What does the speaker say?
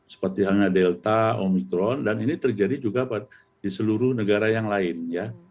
seperti halnya delta omikron dan ini terjadi juga di seluruh negara yang lain ya